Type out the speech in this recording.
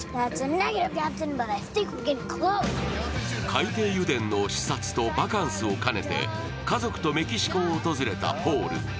海底油田の視察とバカンスを兼ねて、家族とメキシコを訪れたポール。